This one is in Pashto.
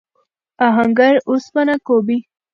آهنګر اوسپنه کوبي.